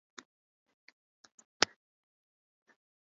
ミシシッピ州の州都はジャクソンである